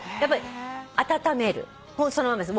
温めるそのままです。